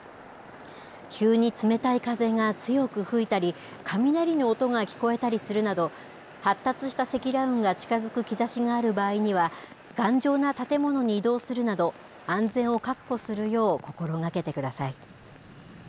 急に冷たい風が強く吹いたり、雷の音が聞こえたりするなど、発達した積乱雲が近づく兆しがある場合には、頑丈な建物に移動するなど、安全を確保するよう心がけてください。